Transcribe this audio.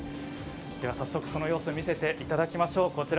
早速その様子を見せていただきましょう。